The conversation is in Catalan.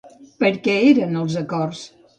Per què eren els acords?